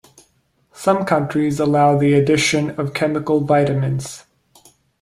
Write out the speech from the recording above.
Some countries allow the addition of chemical vitamins.